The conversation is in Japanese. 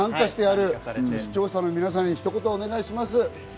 視聴者の皆さんに一言お願いします。